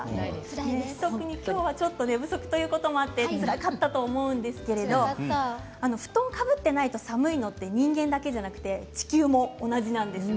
特に今日は寝不足ということもあってつらかったと思うんですけれども布団が掛かっていないと寒いのは人間だけでなく地球も同じなんですね。